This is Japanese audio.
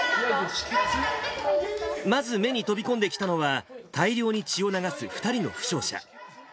まず目に飛び込んできたのは、大量に血を流す２人の負傷者。